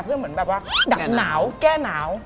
เพื่อเหมือนแบบว่าดับหนาวแก้หนาว